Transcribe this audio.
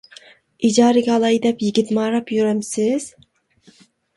ئىجارىگە ئالاي دەپ، يىگىت ماراپ يۈرەمسىز.